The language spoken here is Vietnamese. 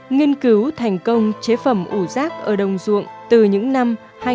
nghiên cứu thành công chế phẩm ủ rác ở đồng ruộng từ những năm hai nghìn ba hai nghìn bốn